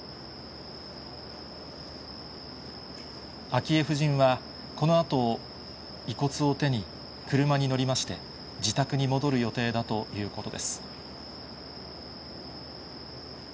昭恵夫人は、このあと遺骨を手に車に乗りまして、自宅に戻る予定だということです。